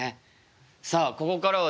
さあここからはですね